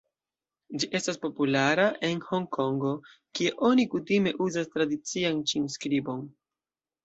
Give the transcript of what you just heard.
Ĝi estas populara en Honkongo kie oni kutime uzas tradician ĉin-skribon.